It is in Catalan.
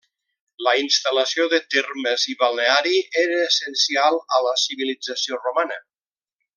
La instal·lació de termes i balneari era essencial a la civilització romana.